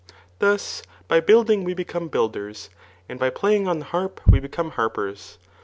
Thus, by building we become builders, and by playing on the hstfp we become harpers.